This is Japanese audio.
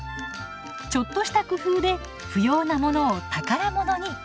ちょっとした工夫で不要なものを宝物に。